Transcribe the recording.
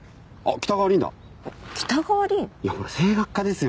北川凛？いやほら声楽家ですよ！